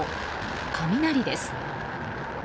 雷です。